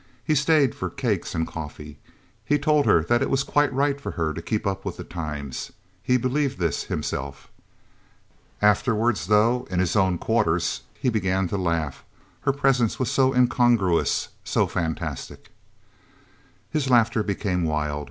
He stayed for cakes and coffee. He told her that it was quite right for her to keep up with the times. He believed this, himself... Afterwards, though, in his own quarters, he began to laugh. Her presence was so incongruous, so fantastic... His laughter became wild.